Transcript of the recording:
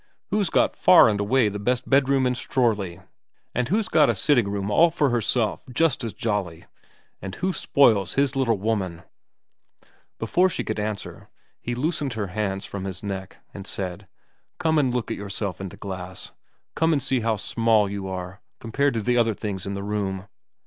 ' Who's got far and away the best bedroom in Strorley ? And who's got a sitting room all for herself, just as jolly ? And who spoils his little woman ?' Before she could answer, he loosened her hands from his neck and said, ' Come and look at yourself in the glass. Come and see how small you are compared to the other things in the room.'